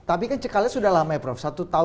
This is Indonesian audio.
tapi kan cekalnya sudah lama ya prof